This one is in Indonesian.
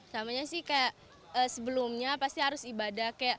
sama nya sih kayak sebelumnya pasti harus ibadah